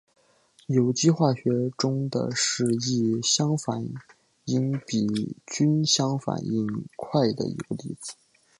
有机化学中的是异相反应比均相反应快的一个例子。